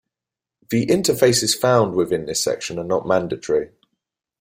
The interfaces found within this section are not mandatory.